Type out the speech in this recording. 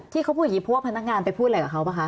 ที่เขาพูดอย่างนี้เพราะว่าพนักงานไปพูดอะไรกับเขาป่ะคะ